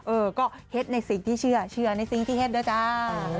เออก็เฮ็ดในสิ่งที่เชื่อในสิ่งที่เฮ็ดด้วยจ้า